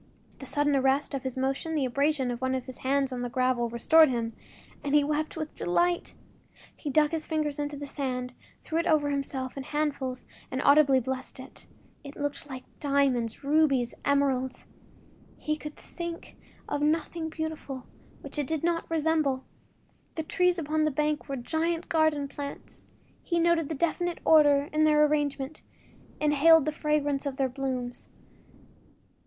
The sudden arrest of his motion, the abrasion of one of his hands on the gravel, restored him, and he wept with delight. He dug his fingers into the sand, threw it over himself in handfuls and audibly blessed it. It looked like diamonds, rubies, emeralds; he could think of nothing beautiful which it did not resemble. The trees upon the bank were giant garden plants; he noted a definite order in their arrangement, inhaled the fragrance of their blooms.